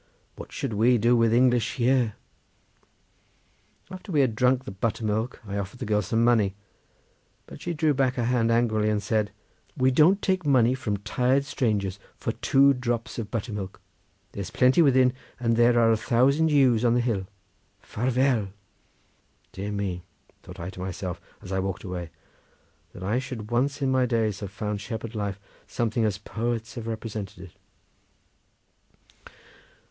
"What should we do with English here?" After we had drunk the buttermilk I offered the girl some money, but she drew back her hand angrily, and said, "We don't take money from tired strangers for two drops of buttermilk; there's plenty within, and there are a thousand ewes on the hill. Farvel!" "Dear me!" thought I to myself as I walked away, "that I should once in my days have found shepherd life something as poets have represented it!"